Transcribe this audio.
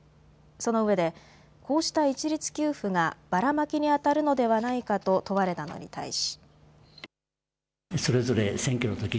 そのうえでこうした一律給付がばらまきにあたるのではないかと問われたのに対し。